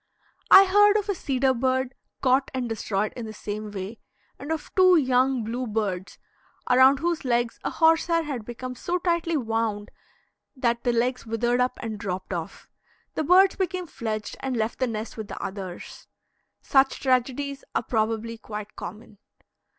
I heard of a cedar bird caught and destroyed in the same way, and of two young bluebirds, around whose legs a horse hair had become so tightly wound that the legs withered up and dropped off. The birds became fledged, and left the nest with the others. Such tragedies are probably quite common.